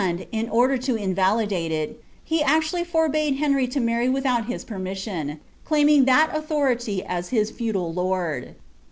in order ' inraliduu: it. he actually forbade Henry to marry without his permia lA, riaiining that aniliarity as his feudal lord.